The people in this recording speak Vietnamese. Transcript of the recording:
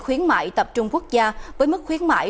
khuyến mại tập trung quốc gia với mức khuyến mại